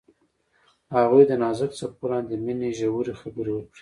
هغوی د نازک څپو لاندې د مینې ژورې خبرې وکړې.